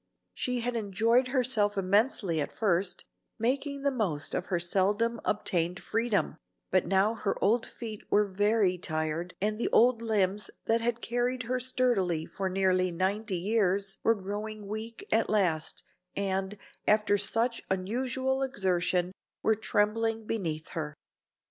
She had enjoyed herself immensely at first, making the most of her seldom obtained freedom, but now her old feet were very tired and the old limbs that had carried her sturdily for nearly ninety years were growing weak at last, and, after such unusual exertion, were trembling beneath her.